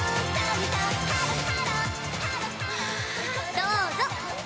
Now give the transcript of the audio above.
どうぞ！